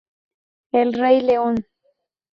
El rey león